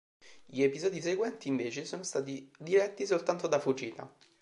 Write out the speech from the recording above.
Gli episodi seguenti invece sono stati diretti soltanto da Fujita.